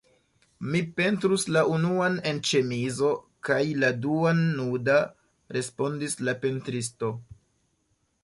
Mi pentrus la unuan en ĉemizo kaj la duan nuda, respondis la pentristo.